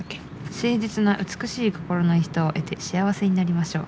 「誠実な美しい心の人を得て倖せになりましょう」。